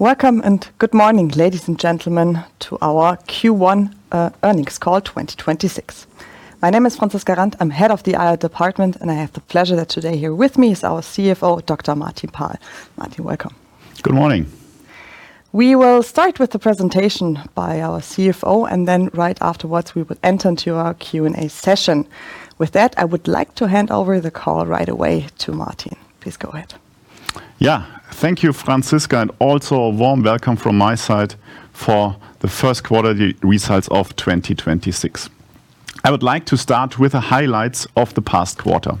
Welcome, good morning, ladies and gentlemen, to our Q1 earnings call, 2026. My name is Franziska Randt. I'm Head of the IR Department, and I have the pleasure that today here with me is our CFO, Dr. Martin Paal. Martin, welcome. Good morning. We will start with the presentation by our CFO, and then right afterwards, we will enter into our Q&A session. With that, I would like to hand over the call right away to Martin. Please go ahead. Yeah. Thank you, Franziska. Also a warm welcome from my side for the first quarter results of 2026. I would like to start with the highlights of the past quarter.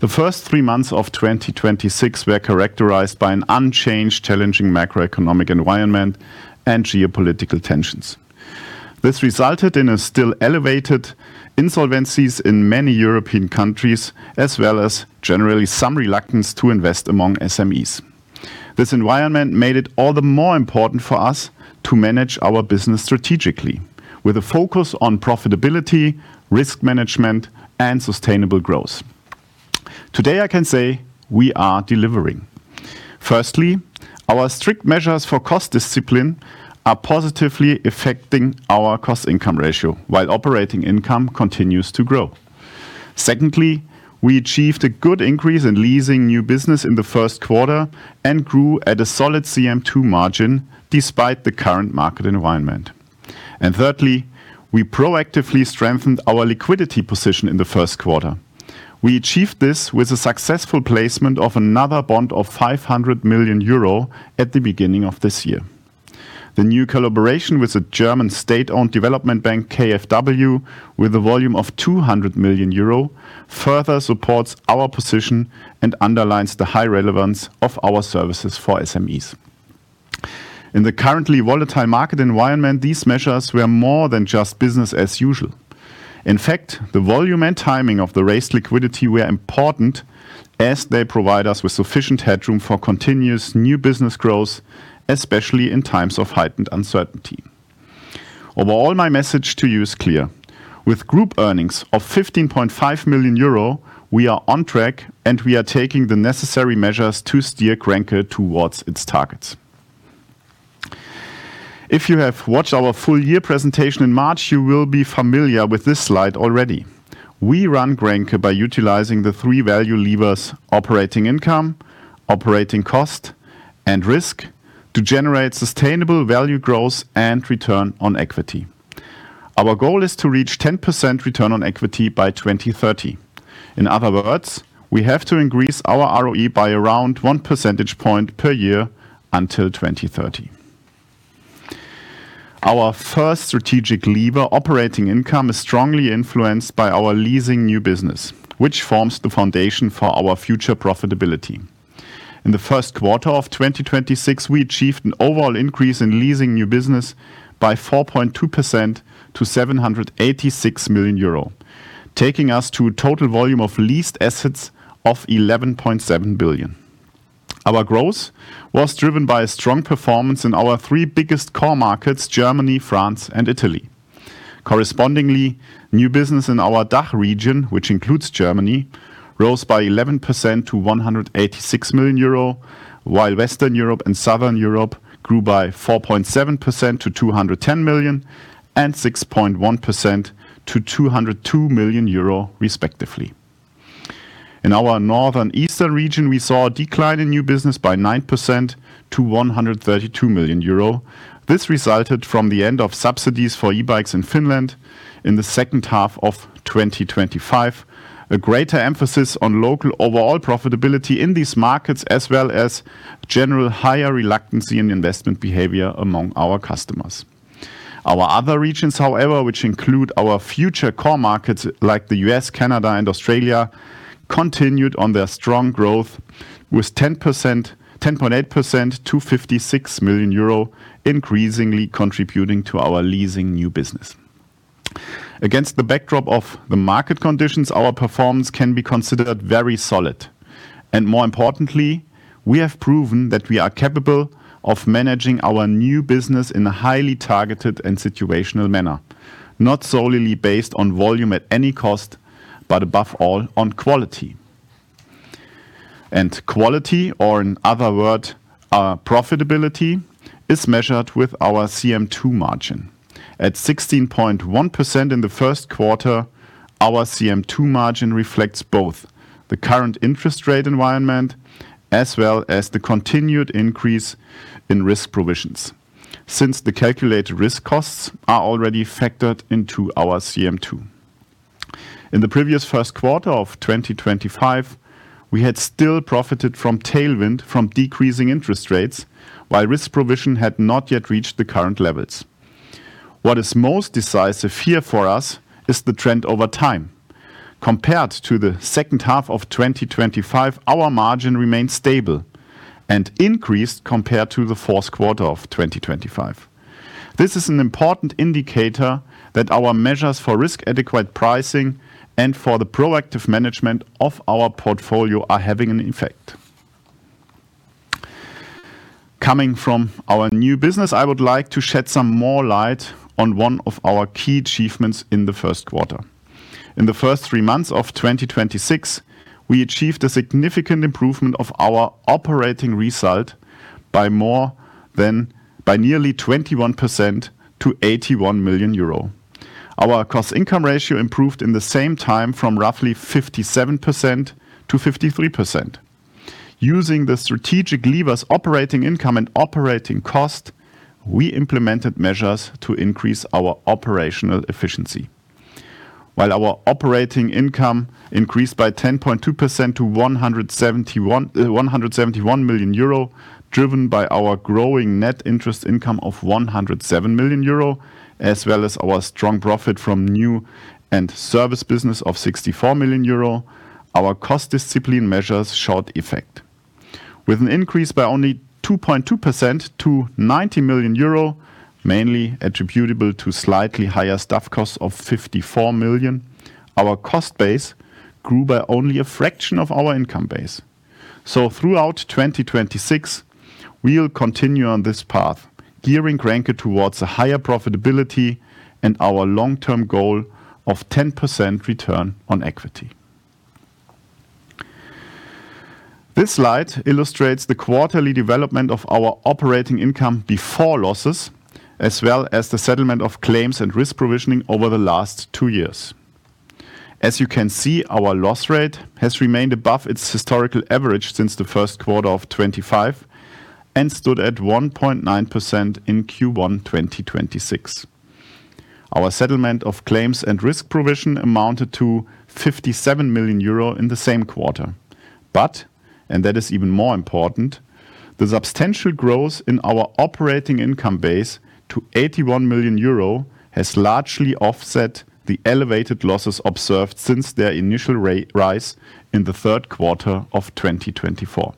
The three months of 2026 were characterized by an unchanged, challenging macroeconomic environment and geopolitical tensions. This resulted in a still elevated insolvencies in many European countries, as well as generally some reluctance to invest among SMEs. This environment made it all the more important for us to manage our business strategically, with a focus on profitability, risk management, and sustainable growth. Today, I can say we are delivering. Firstly, our strict measures for cost discipline are positively affecting our cost-income ratio while operating income continues to grow. Secondly, we achieved a good increase in leasing new business in the first quarter and grew at a solid CM2 margin despite the current market environment. Thirdly, we proactively strengthened our liquidity position in the first quarter. We achieved this with a successful placement of another bond of 500 million euro at the beginning of this year. The new collaboration with the German state-owned development bank, KfW, with a volume of 200 million euro, further supports our position and underlines the high relevance of our services for SMEs. In the currently volatile market environment, these measures were more than just business as usual. In fact, the volume and timing of the raised liquidity were important as they provide us with sufficient headroom for continuous new business growth, especially in times of heightened uncertainty. Overall, my message to you is clear. With group earnings of 15.5 million euro, we are on track, and we are taking the necessary measures to steer Grenke towards its targets. If you have watched our full year presentation in March, you will be familiar with this slide already. We run Grenke by utilizing the three value levers: operating income, operating cost, and risk to generate sustainable value growth and return on equity. Our goal is to reach 10% return on equity by 2030. In other words, we have to increase our ROE by around one percentage point per year until 2030. Our first strategic lever, operating income, is strongly influenced by our leasing new business, which forms the foundation for our future profitability. In the first quarter of 2026, we achieved an overall increase in leasing new business by 4.2% to 786 million euro, taking us to a total volume of leased assets of 11.7 billion. Our growth was driven by a strong performance in our three biggest core markets, Germany, France, and Italy. New business in our DACH region, which includes Germany, rose by 11% to 186 million euro, while Western Europe and Southern Europe grew by 4.7% to 210 million, and 6.1% to 202 million euro respectively. In our Northern Eastern region, we saw a decline in new business by 9% to 132 million euro. This resulted from the end of subsidies for e-bikes in Finland in the second half of 2025, a greater emphasis on local overall profitability in these markets, as well as general higher reluctancy in investment behavior among our customers. Our other regions, however, which include our future core markets, like the U.S., Canada, and Australia, continued on their strong growth with 10.8% to 56 million euro, increasingly contributing to our leasing new business. Against the backdrop of the market conditions, our performance can be considered very solid. More importantly, we have proven that we are capable of managing our new business in a highly targeted and situational manner, not solely based on volume at any cost, but above all, on quality. Quality, or in other word, our profitability, is measured with our CM2 margin. At 16.1% in the first quarter, our CM2 margin reflects both the current interest rate environment as well as the continued increase in risk provisions since the calculated risk costs are already factored into our CM2. In the previous first quarter of 2025, we had still profited from tailwind from decreasing interest rates, while risk provision had not yet reached the current levels. What is most decisive here for us is the trend over time. Compared to the second half of 2025, our margin remained stable and increased compared to the fourth quarter of 2025. This is an important indicator that our measures for risk-adequate pricing and for the proactive management of our portfolio are having an effect. Coming from our new business, I would like to shed some more light on one of our key achievements in the first quarter. In the first three months of 2026, we achieved a significant improvement of our operating result by nearly 21% to 81 million euro. Our cost-income ratio improved in the same time from roughly 57% to 53%. Using the strategic levers operating income and operating cost, we implemented measures to increase our operational efficiency. While our operating income increased by 10.2% to 171 million euro, driven by our growing net interest income of 107 million euro, as well as our strong profit from new and service business of 64 million euro, our cost discipline measures showed effect. With an increase by only 2.2% to 90 million euro, mainly attributable to slightly higher staff costs of 54 million, our cost base grew by only a fraction of our income base. Throughout 2026, we'll continue on this path, gearing Grenke towards a higher profitability and our long-term goal of 10% return on equity. This slide illustrates the quarterly development of our operating income before losses, as well as the settlement of claims and risk provisioning over the last two years. As you can see, our loss rate has remained above its historical average since the first quarter of 2025 and stood at 1.9% in Q1 2026. Our settlement of claims and risk provision amounted to 57 million euro in the same quarter. That is even more important, the substantial growth in our operating income base to 81 million euro has largely offset the elevated losses observed since their initial rise in the third quarter of 2024.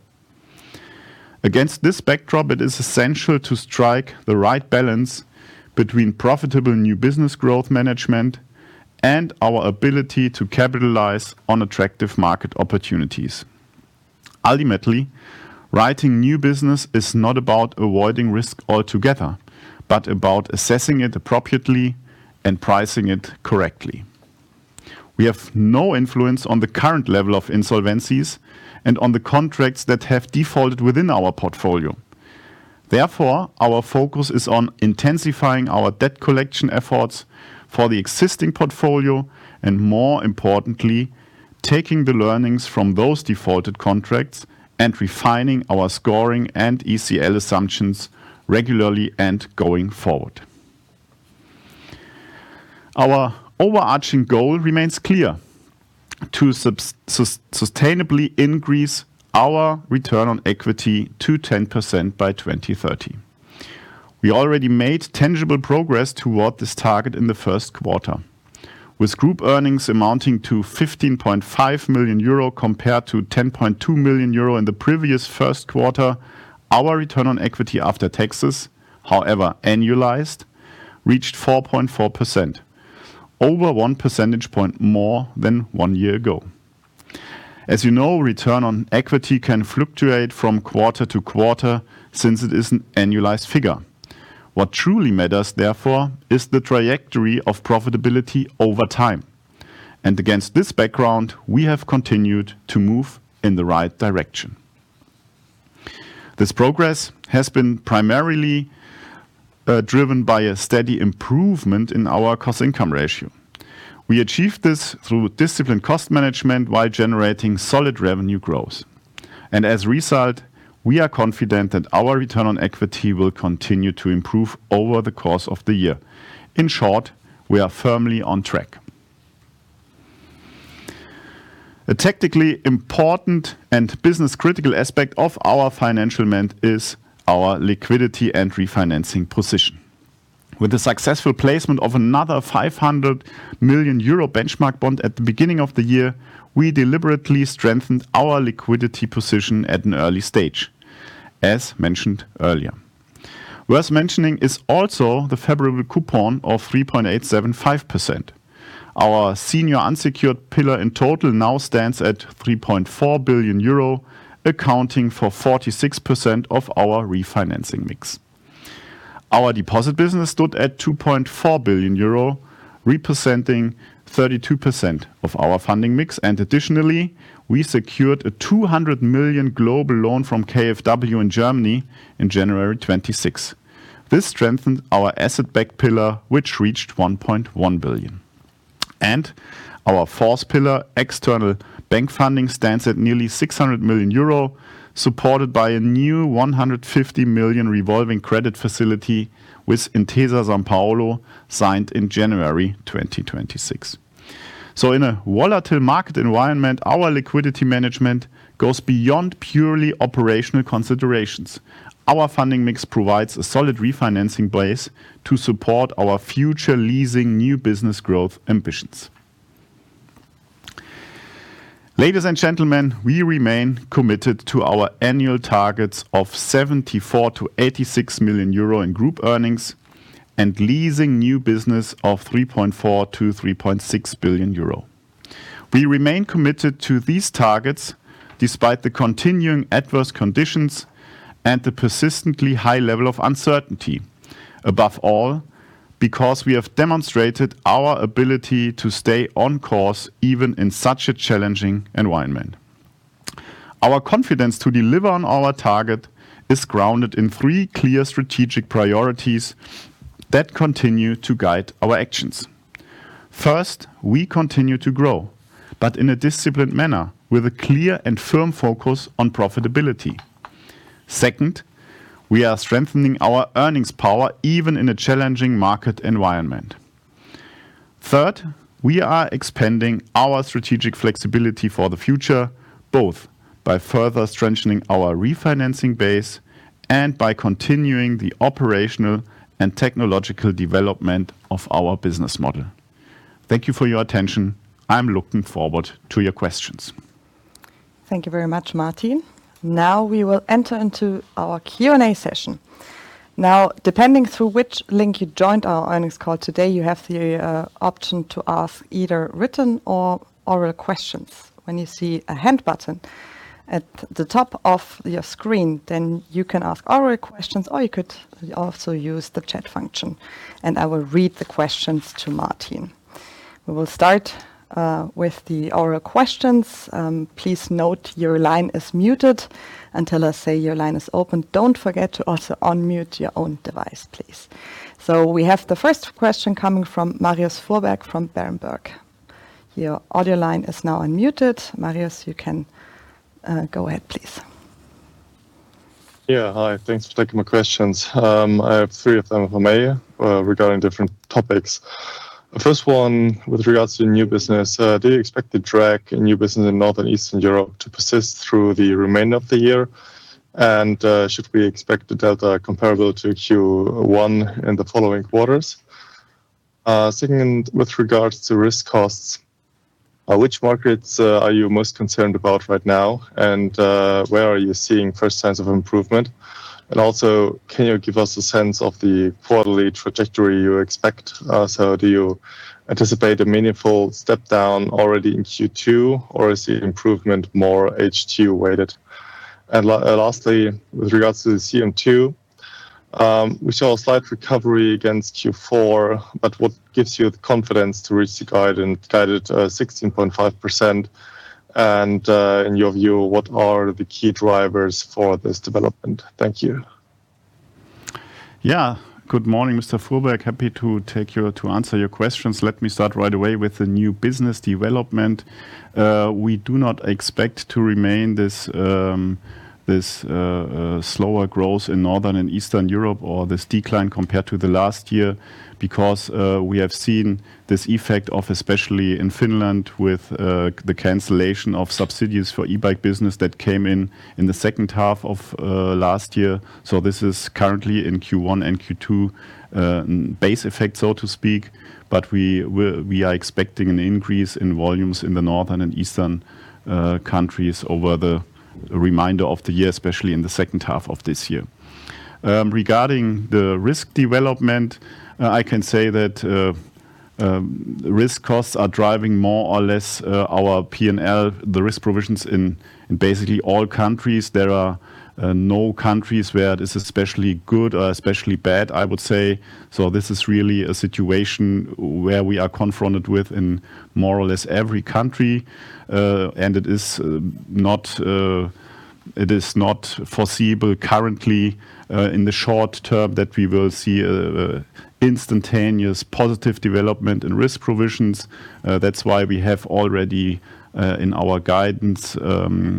Against this backdrop, it is essential to strike the right balance between profitable new business growth management and our ability to capitalize on attractive market opportunities. Ultimately, writing new business is not about avoiding risk altogether, but about assessing it appropriately and pricing it correctly. We have no influence on the current level of insolvencies and on the contracts that have defaulted within our portfolio. Therefore, our focus is on intensifying our debt collection efforts for the existing portfolio and, more importantly, taking the learnings from those defaulted contracts and refining our scoring and ECL assumptions regularly and going forward. Our overarching goal remains clear: to sustainably increase our return on equity to 10% by 2030. We already made tangible progress toward this target in the first quarter. With group earnings amounting to 15.5 million euro compared to 10.2 million euro in the previous first quarter, our return on equity after taxes, however, annualized, reached 4.4%, over one percentage point more than one year ago. As you know, return on equity can fluctuate from quarter to quarter since it is an annualized figure. What truly matters, therefore, is the trajectory of profitability over time. Against this background, we have continued to move in the right direction. This progress has been primarily driven by a steady improvement in our cost-income ratio. We achieved this through disciplined cost management while generating solid revenue growth. As a result, we are confident that our return on equity will continue to improve over the course of the year. In short, we are firmly on track. A technically important and business-critical aspect of our financialment is our liquidity and refinancing position. With the successful placement of another 500 million euro benchmark bond at the beginning of the year, we deliberately strengthened our liquidity position at an early stage, as mentioned earlier. Worth mentioning is also the favorable coupon of 3.875%. Our senior unsecured pillar in total now stands at 3.4 billion euro, accounting for 46% of our refinancing mix. Our deposit business stood at 2.4 billion euro, representing 32% of our funding mix. Additionally, we secured a 200 million global loan from KfW in Germany in January 2026. This strengthened our asset-backed pillar, which reached 1.1 billion. Our fourth pillar, external bank funding, stands at nearly 600 million euro, supported by a new 150 million revolving credit facility with Intesa Sanpaolo, signed in January 2026. In a volatile market environment, our liquidity management goes beyond purely operational considerations. Our funding mix provides a solid refinancing base to support our future leasing new business growth ambitions. Ladies and gentlemen, we remain committed to our annual targets of 74 million-86 million euro in group earnings and leasing new business of 3.4 billion-3.6 billion euro. We remain committed to these targets despite the continuing adverse conditions and the persistently high level of uncertainty. Above all, because we have demonstrated our ability to stay on course even in such a challenging environment. Our confidence to deliver on our target is grounded in three clear strategic priorities that continue to guide our actions. First, we continue to grow, but in a disciplined manner, with a clear and firm focus on profitability. Second, we are strengthening our earnings power even in a challenging market environment. Third, we are expanding our strategic flexibility for the future, both by further strengthening our refinancing base and by continuing the operational and technological development of our business model. Thank you for your attention. I'm looking forward to your questions. Thank you very much, Martin. We will enter into our Q&A session. Depending through which link you joined our earnings call today, you have the option to ask either written or oral questions. When you see a hand button at the top of your screen, then you can ask oral questions, or you could also use the chat function, and I will read the questions to Martin. We will start with the oral questions. Please note your line is muted until I say your line is open. Don't forget to also unmute your own device, please. We have the first question coming from Marius Fuhrberg from Berenberg. Your audio line is now unmuted. Marius, you can go ahead, please. Yeah. Hi. Thanks for taking my questions. I have three of them from here, regarding different topics. The first one, with regards to new business, do you expect the drag in new business in Northern Eastern Europe to persist through the remainder of the year? Should we expect the delta comparable to Q1 in the following quarters? Second, with regards to risk costs, which markets are you most concerned about right now and where are you seeing first signs of improvement? Also, can you give us a sense of the quarterly trajectory you expect? Do you anticipate a meaningful step-down already in Q2, or is the improvement more H2-weighted? Lastly, with regards to the CM2, we saw a slight recovery against Q4. What gives you the confidence to risk guide and guide it, 16.5%? In your view, what are the key drivers for this development? Thank you. Good morning, Mr. Fuhrberg. Happy to answer your questions. Let me start right away with the new business development. We do not expect to remain this slower growth in Northern and Eastern Europe or this decline compared to last year because we have seen this effect of especially in Finland with the cancellation of subsidies for e-bike business that came in in the second half of last year. This is currently in Q1 and Q2 base effect, so to speak, but we are expecting an increase in volumes in the northern and eastern countries over the remainder of the year, especially in the second half of this year. Regarding the risk development, I can say that risk costs are driving more or less our P&L, the risk provisions in basically all countries. There are no countries where it is especially good or especially bad, I would say. This is really a situation where we are confronted with in more or less every country. It is not foreseeable currently in the short term that we will see a instantaneous positive development in risk provisions. We have already in our guidance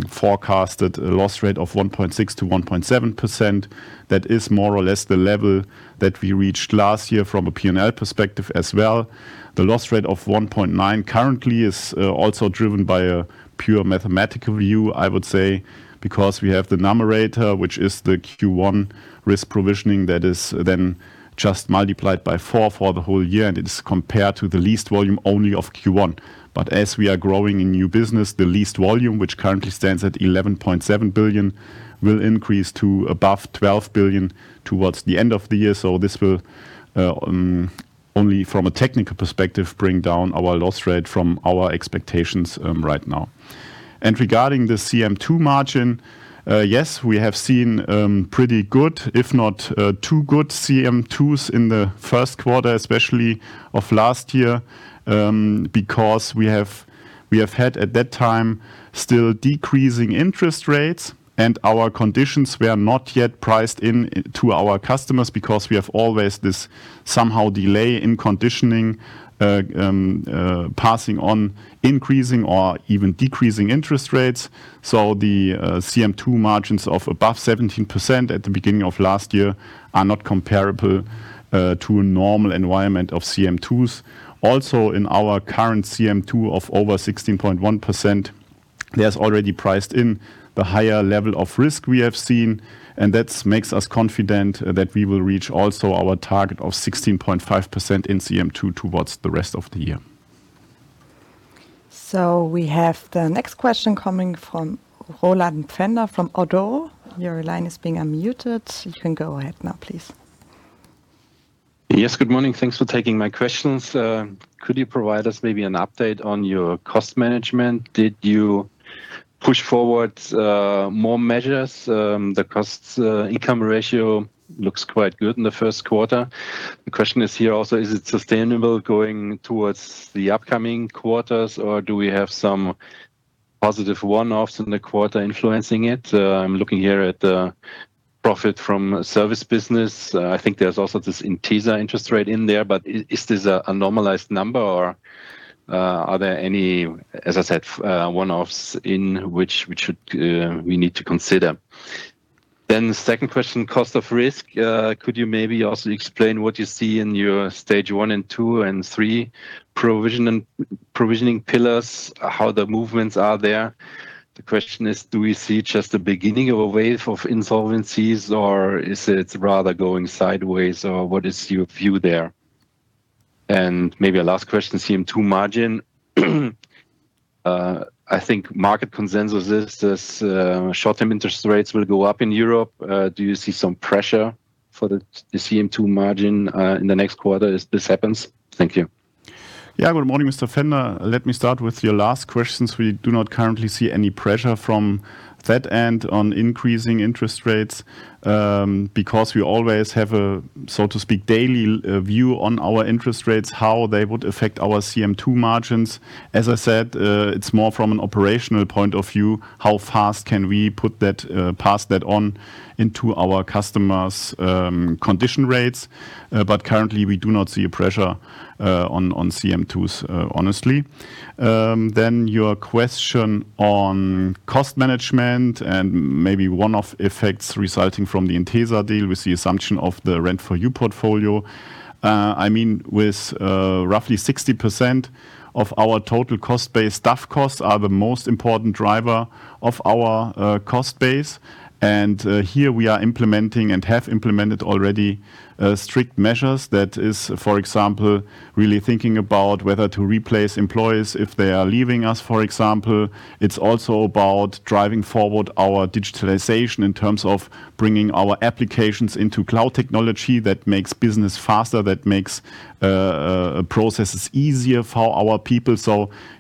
forecasted a loss rate of 1.6%-1.7%. That is more or less the level that we reached last year from a P&L perspective as well. The loss rate of 1.9 currently is also driven by a pure mathematical view, I would say, because we have the numerator, which is the Q1 risk provisioning that is then just multiplied by four for the whole year, and it is compared to the lease volume only of Q1. As we are growing in new business, the lease volume, which currently stands at 11.7 billion, will increase to above 12 billion towards the end of the year. This will only from a technical perspective, bring down our loss rate from our expectations right now. Regarding the CM2 margin, yes, we have seen pretty good, if not too good CM2s in the first quarter, especially of last year, because we have had at that time still decreasing interest rates and our conditions were not yet priced in to our customers because we have always this somehow delay in conditioning, passing on increasing or even decreasing interest rates. The CM2 margins of above 17% at the beginning of last year are not comparable to a normal environment of CM2s. Also, in our current CM2 of over 16.1%, there's already priced in the higher level of risk we have seen, and that's makes us confident that we will reach also our target of 16.5% in CM2 towards the rest of the year. We have the next question coming from Roland Pfänder from ODDO BHF. Your line is being unmuted, so you can go ahead now, please. Yes. Good morning. Thanks for taking my questions. Could you provide us maybe an update on your cost management? Did you push forwards more measures? The cost-income ratio looks quite good in the first quarter. The question is here also, is it sustainable going towards the upcoming quarters, or do we have some positive one-offs in the quarter influencing it? I'm looking here at the profit from service business. I think there's also this Intesa interest rate in there. But is this a normalized number or are there any, as I said, one-offs in which we need to consider? The second question, cost of risk. Could you maybe also explain what you see in your stage one and two and three provision and provisioning pillars, how the movements are there? The question is, do we see just the beginning of a wave of insolvencies, or is it rather going sideways? What is your view there? Maybe a last question, CM2 margin. I think market consensus is this, short-term interest rates will go up in Europe. Do you see some pressure for the CM2 margin in the next quarter as this happens? Thank you. Good morning, Mr. Pfänder. Let me start with your last question, since we do not currently see any pressure from that end on increasing interest rates, because we always have a, so to speak, daily view on our interest rates, how they would affect our CM2 margins. As I said, it's more from an operational point of view, how fast can we pass that on into our customers' condition rates? Currently we do not see a pressure on CM2s, honestly. Your question on cost management and maybe one-off effects resulting from the Intesa deal with the assumption of the Rent ForYou portfolio. I mean, with 60% of our total cost base, staff costs are the most important driver of our cost base. Here we are implementing and have implemented already strict measures. That is, for example, really thinking about whether to replace employees if they are leaving us, for example. It's also about driving forward our digitalization in terms of bringing our applications into cloud technology that makes business faster, that makes processes easier for our people.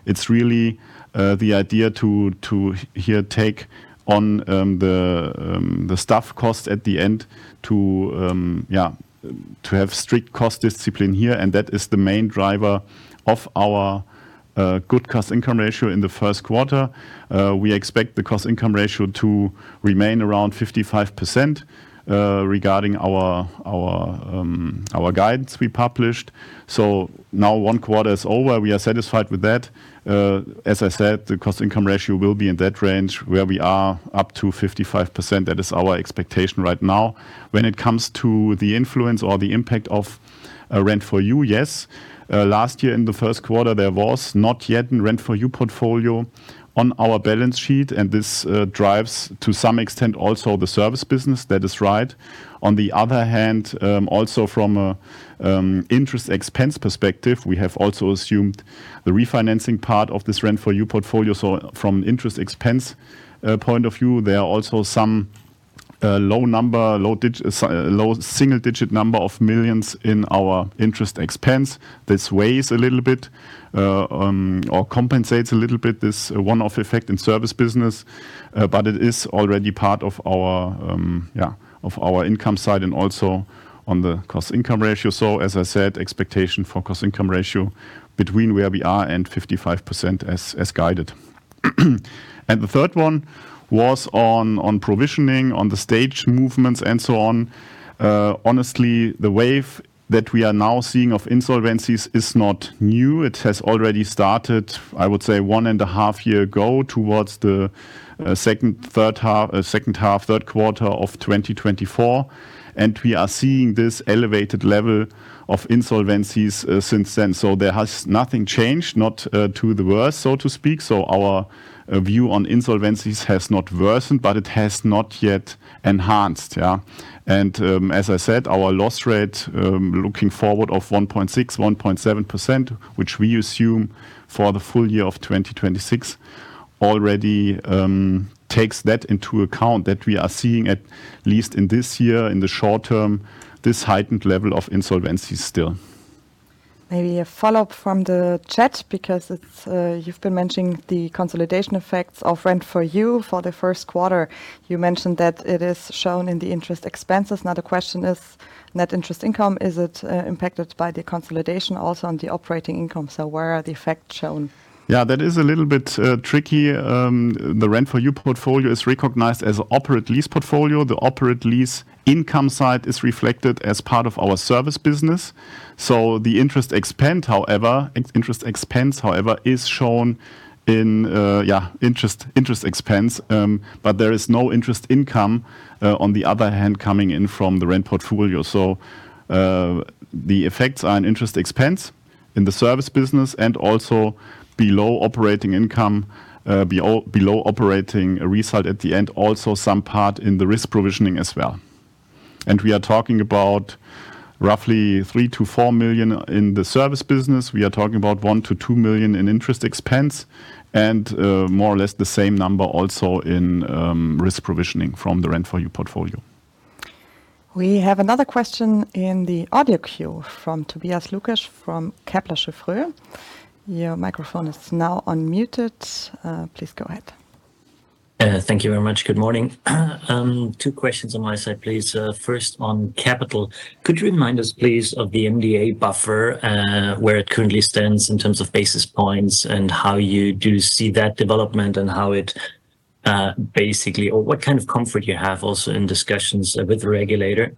It's really the idea to here take on the staff cost at the end to have strict cost discipline here. That is the main driver of our good cost-income ratio in the first quarter. We expect the cost-income ratio to remain around 55% regarding our guidance we published. Now one quarter is over. We are satisfied with that. As I said, the cost-income ratio will be in that range where we are up to 55%. That is our expectation right now. When it comes to the influence or the impact of Rent ForYou, yes. Last year in the first quarter, there was not yet an Rent ForYou portfolio on our balance sheet, this drives to some extent also the service business. That is right. On the other hand, also from a interest expense perspective, we have also assumed the refinancing part of this Rent ForYou portfolio. From interest expense point of view, there are also some low number, low single-digit number of millions in our interest expense. This weighs a little bit, or compensates a little bit, this one-off effect in service business. It is already part of our, yeah, of our income side and also on the cost-income ratio. As I said, expectation for cost-income ratio between where we are and 55% as guided. The third one was on provisioning, on the stage movements and so on. Honestly, the wave that we are now seeing of insolvencies is not new. It has already started, I would say, one and a half year ago towards the second half, third quarter of 2024. We are seeing this elevated level of insolvencies since then. There has nothing changed, not to the worst, so to speak. Our view on insolvencies has not worsened, but it has not yet enhanced, yeah. As I said, our loss rate, looking forward of 1.6%-1.7%, which we assume for the full year of 2026 already, takes that into account that we are seeing, at least in this year, in the short term, this heightened level of insolvency still. Maybe a follow-up from the chat because it's, you've been mentioning the consolidation effects of Rent ForYou for the first quarter. You mentioned that it is shown in the interest expenses. Now the question is net interest income, is it impacted by the consolidation also on the operating income? Where are the effects shown? That is a little bit tricky. The Rent ForYou portfolio is recognized as operating lease portfolio. The operating lease income side is reflected as part of our service business. The interest expense, however, is shown in interest expense. But there is no interest income on the other hand, coming in from the rent portfolio. The effects are an interest expense in the service business and also below operating income or below operating result at the end, also some part in the risk provisioning as well. We are talking about roughly 3 million-4 million in the service business. We are talking about 1 million-2 million in interest expense and more or less the same number also in risk provisioning from the Rent ForYou portfolio. We have another question in the audio queue from Tobias Lukesch from Kepler Cheuvreux. Your microphone is now unmuted. Please go ahead. Thank you very much. Good morning. Two questions on my side, please. First on capital. Could you remind us, please, of the MDA buffer, where it currently stands in terms of basis points and how you do see that development and what kind of comfort you have also in discussions with the regulator?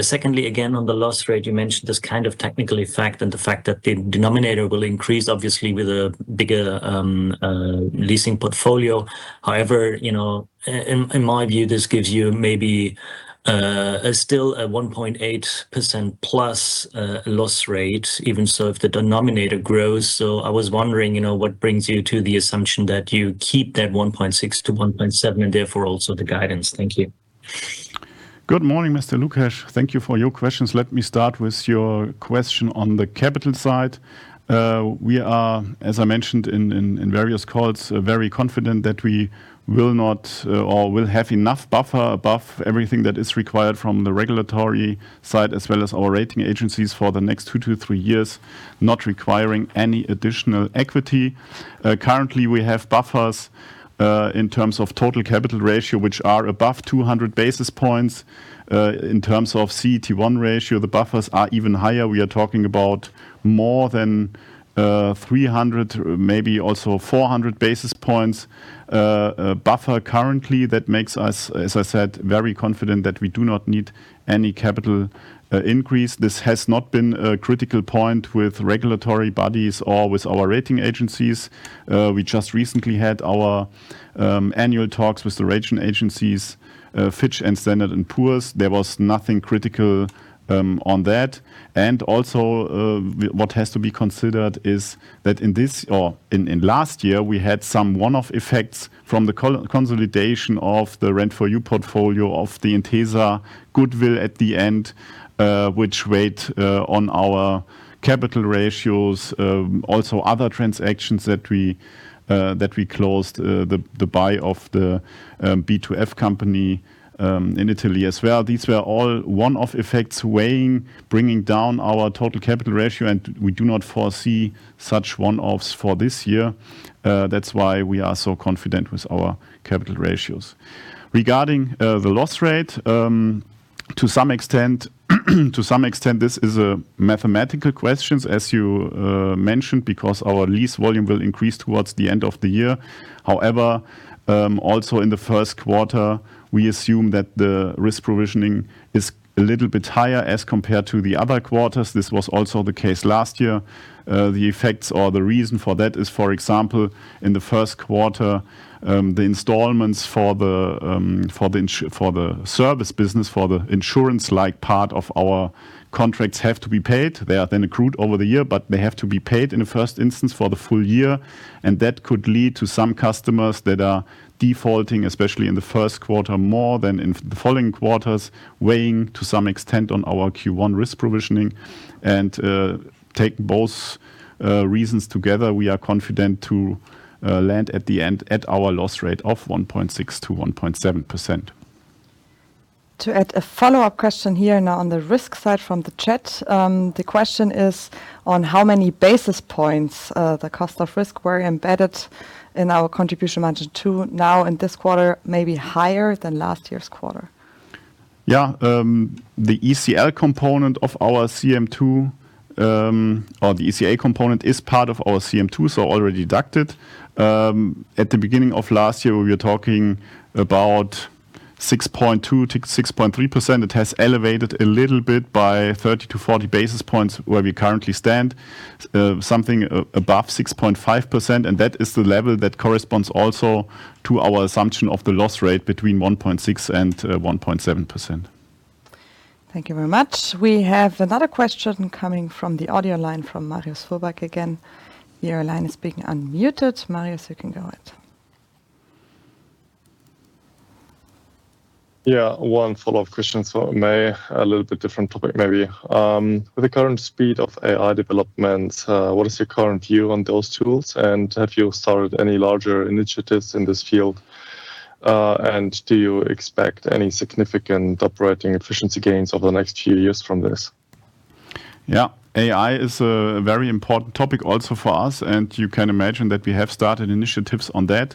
Secondly, again on the loss rate, you mentioned this kind of technical effect and the fact that the denominator will increase obviously with a bigger leasing portfolio. However, you know, in my view, this gives you maybe still a 1.8%+ loss rate even so if the denominator grows. I was wondering, you know, what brings you to the assumption that you keep that 1.6%-1.7% and therefore also the guidance. Thank you. Good morning, Mr. Lukesch. Thank you for your questions. Let me start with your question on the capital side. We are, as I mentioned in various calls, very confident that we will not, or will have enough buffer above everything that is required from the regulatory side as well as our rating agencies for the next two to three years, not requiring any additional equity. Currently, we have buffers in terms of total capital ratio, which are above 200 basis points. In terms of CET1 ratio, the buffers are even higher. We are talking about more than 300, maybe also 400 basis points buffer currently. That makes us, as I said, very confident that we do not need any capital increase. This has not been a critical point with regulatory bodies or with our rating agencies. We just recently had our annual talks with the rating agencies, Fitch and Standard & Poor's. There was nothing critical on that. Also, what has to be considered is that in this or in last year, we had some one-off effects from the consolidation of the Rent ForYou portfolio of the Intesa goodwill at the end, which weighed on our capital ratios. Also other transactions that we closed, the buy of the B2F company in Italy as well. These were all one-off effects weighing, bringing down our total capital ratio. We do not foresee such one-offs for this year. That's why we are so confident with our capital ratios. Regarding the loss rate, to some extent, this is a mathematical question, as you mentioned, because our lease volume will increase towards the end of the year. Also in the first quarter, we assume that the risk provisioning is a little bit higher as compared to the other quarters. This was also the case last year. The effects or the reason for that is, for example, in the first quarter, the installments for the service business, for the insurance-like part of our contracts have to be paid. They are then accrued over the year, they have to be paid in the first instance for the full year. That could lead to some customers that are defaulting, especially in the first quarter, more than in the following quarters, weighing to some extent on our Q1 risk provisioning. Take both reasons together, we are confident to land at the end at our loss rate of 1.6%-1.7%. To add a follow-up question here now on the risk side from the chat. The question is: On how many basis points the cost of risk were embedded in our contribution margin two now in this quarter may be higher than last year's quarter? The ECL component of our CM2, or the ECL component is part of our CM2, so already deducted. At the beginning of last year, we were talking about 6.2%-6.3%. It has elevated a little bit by 30 basis points-40 basis points where we currently stand, something above 6.5%, and that is the level that corresponds also to our assumption of the loss rate between 1.6% and 1.7%. Thank you very much. We have another question coming from the audio line from Marius Fuhrberg again. Your line is being unmuted. Marius, you can go ahead. Yeah. One follow-up question. A little bit different topic maybe. With the current speed of AI development, what is your current view on those tools? Have you started any larger initiatives in this field? Do you expect any significant operating efficiency gains over the next few years from this? Yeah. AI is a very important topic also for us, and you can imagine that we have started initiatives on that.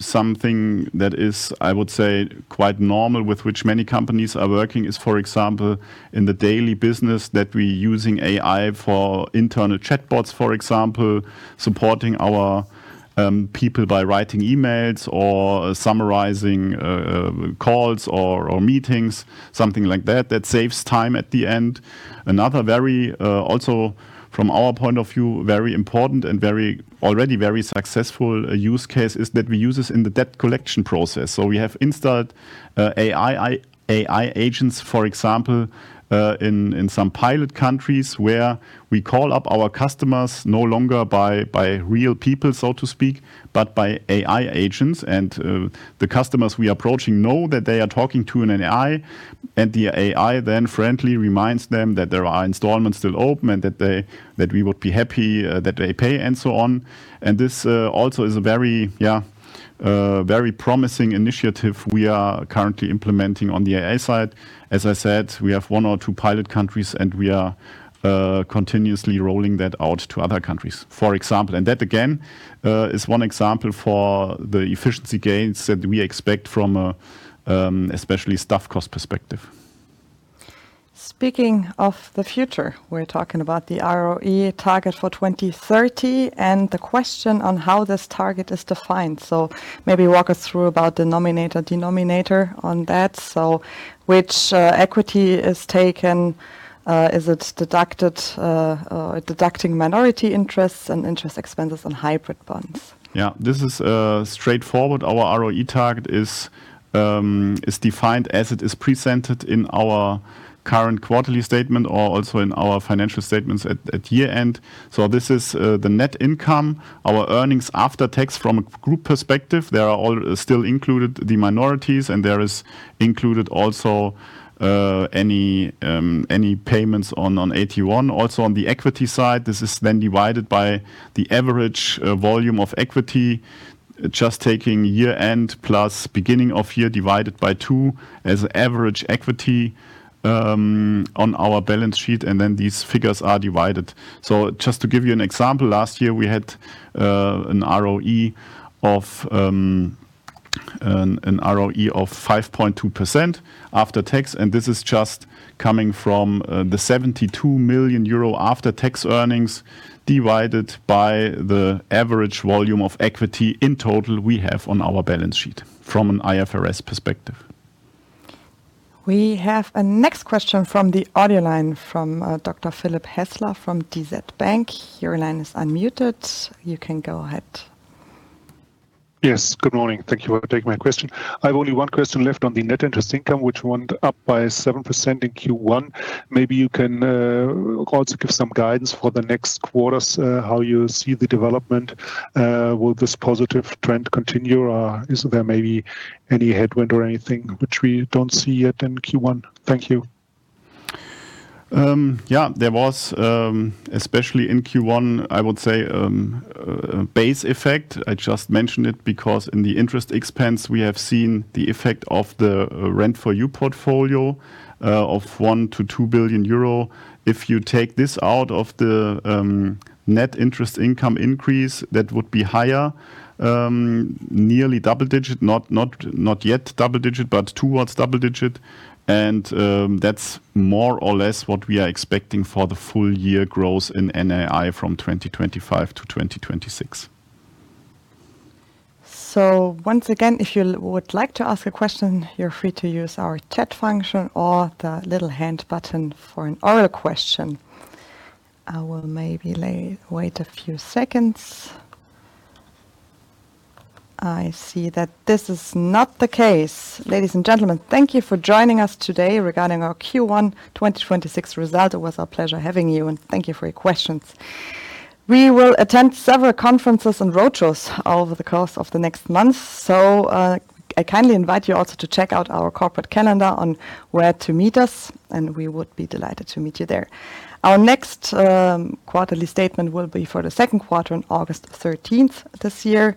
Something that is, I would say, quite normal with which many companies are working is, for example, in the daily business that we using AI for internal chatbots, for example, supporting our people by writing emails or summarizing calls or meetings, something like that saves time at the end. Another very, also from our point of view, already very successful use case is that we use this in the debt collection process. We have installed AI agents, for example, in some pilot countries where we call up our customers no longer by real people, so to speak, but by AI agents. The customers we approaching know that they are talking to an AI, and the AI then friendly reminds them that there are installments still open, that we would be happy, that they pay and so on. This also is a very promising initiative we are currently implementing on the AI side. As I said, we have one or two pilot countries, and we are continuously rolling that out to other countries, for example. That, again, is one example for the efficiency gains that we expect from a especially staff cost perspective. Speaking of the future, we're talking about the ROE target for 2030 and the question on how this target is defined. Maybe walk us through about the nominator, denominator on that. Which equity is taken? Is it deducted, deducting minority interests and interest expenses on hybrid bonds? This is straightforward. Our ROE target is defined as it is presented in our current quarterly statement or also in our financial statements at year-end. This is the net income, our earnings after tax from a group perspective. There are still included the minorities, and there is included also any payments on AT1. On the equity side, this is then divided by the average volume of equity, just taking year-end plus beginning of year divided by two as average equity on our balance sheet, and then these figures are divided. Just to give you an example, last year we had an ROE of 5.2% after tax, and this is just coming from the 72 million euro after-tax earnings divided by the average volume of equity in total we have on our balance sheet from an IFRS perspective. We have a next question from the audio line from Dr. Philipp Hässler from DZ Bank. Your line is unmuted. You can go ahead. Yes. Good morning. Thank you for taking my question. I have only one question left on the net interest income, which went up by 7% in Q1. Maybe you can also give some guidance for the next quarters, how you see the development. Will this positive trend continue, or is there maybe any headwind or anything which we don't see yet in Q1? Thank you. Yeah. There was, especially in Q1, I would say, base effect. I just mentioned it because in the interest expense we have seen the effect of the Rent ForYou portfolio of 1 billion-2 billion euro. If you take this out of the Net Interest Income increase, that would be higher, nearly double digit. Not yet double digit, but towards double digit. That's more or less what we are expecting for the full year growth in NII from 2025 to 2026. Once again, if you would like to ask a question, you're free to use our chat function or the little hand button for an oral question. I will maybe wait a few seconds. I see that this is not the case. Ladies and gentlemen, thank you for joining us today regarding our Q1 2026 result. It was our pleasure having you, and thank you for your questions. We will attend several conferences and roadshows over the course of the next month. I kindly invite you also to check out our corporate calendar on where to meet us, and we would be delighted to meet you there. Our next quarterly statement will be for the second quarter on August 13th this year.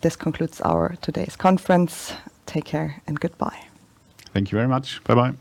This concludes our today's conference. Take care and goodbye. Thank you very much. Bye-bye.